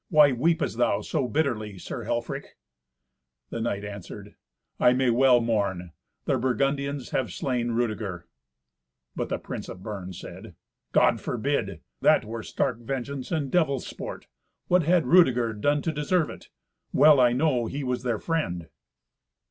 "Why weepest thou so bitterly, Sir Helfrich?" The knight answered, "I may well mourn. The Burgundians have slain Rudeger." But the prince of Bern said, "God forbid! That were stark vengeance and devil's sport. What had Rudeger done to deserve it? Well I know he was their friend."